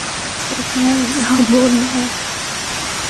ওখানে যাবে না।